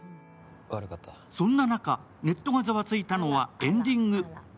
そんな中、ネットがザワついたのはエンディング。